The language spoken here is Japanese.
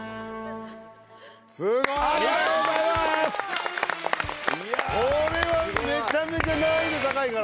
すごーい！